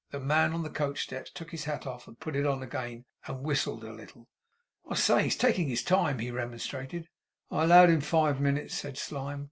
The man on the coach steps took his hat off, and put it on again, and whistled a little. 'I say! He's taking his time!' he remonstrated. 'I allowed him five minutes,' said Slyme.